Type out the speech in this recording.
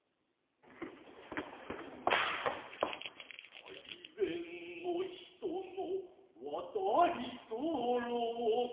最前の人のわたり候か。